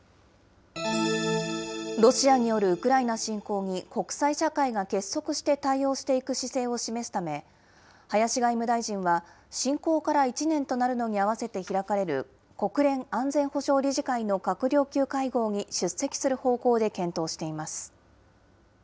ロシアによるウクライナ侵攻に国際社会が結束して対応していく姿勢を示すため、林外務大臣は、侵攻から１年となるのに合わせて開かれる、国連安全保障理事会の閣僚級会合に出席する方向で検討しています。